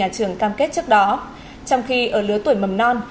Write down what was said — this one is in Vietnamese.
trường cam kết trước đó trong khi ở lứa tuổi mầm non